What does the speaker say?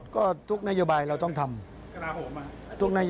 ก็ทุกนโยบายเราต้องทำ